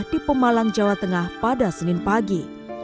di pemalang jawa tengah pada senin pagi